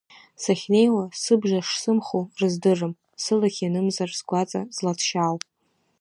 Сахьнеиуа сыбжа шсымху рыздыррым, сылахь ианымзар сгәаҵа злаҭшьаау.